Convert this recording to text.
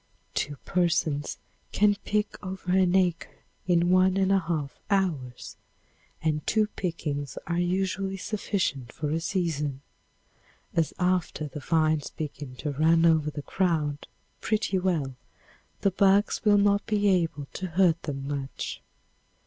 Two persons can pick over an acre in one and a half hours, and two pickings are usually sufficient for a season, as after the vines begin to run over the ground pretty well the bugs will not be able to hurt them much.